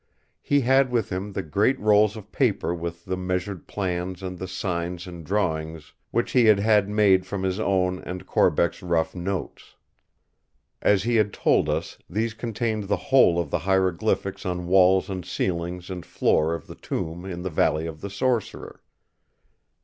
He had with him the great rolls of paper with the measured plans and the signs and drawings which he had had made from his own and Corbeck's rough notes. As he had told us, these contained the whole of the hieroglyphics on walls and ceilings and floor of the tomb in the Valley of the Sorcerer.